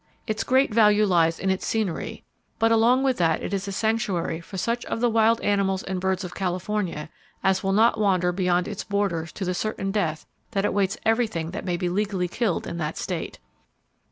Its great value lies in its scenery, but along with that it is a sanctuary for such of the wild mammals and birds of California as will not wander beyond its borders to the certain death that awaits everything that may legally be killed in that state.